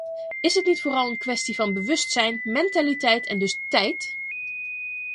Is het niet vooral een kwestie van bewustzijn, mentaliteit en dus tijd?